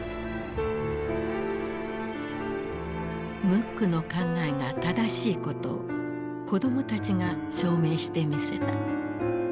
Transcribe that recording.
ムックの考えが正しいことを子供たちが証明してみせた。